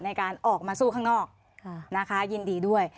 ในการออกมาสู้ข้างนอกนะคะยินดีด้วย